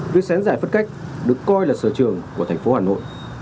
việc xén giải phân cách được coi là sở trường của thành phố hà nội